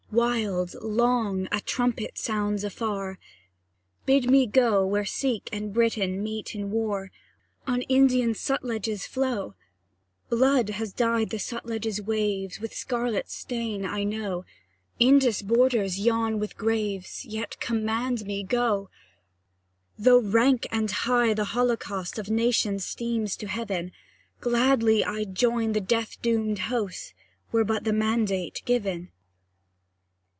Wild, long, a trumpet sounds afar; Bid me bid me go Where Seik and Briton meet in war, On Indian Sutlej's flow. Blood has dyed the Sutlej's waves With scarlet stain, I know; Indus' borders yawn with graves, Yet, command me go! Though rank and high the holocaust Of nations steams to heaven, Glad I'd join the death doomed host, Were but the mandate given.